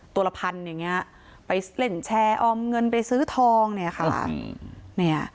ตัวละพันอย่างนี้ไปเล่นแชร์ออมเงินไปซื้อทองเนี่ยค่ะ